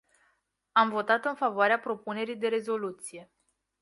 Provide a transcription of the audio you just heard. Am votat în favoarea propunerii de rezoluție.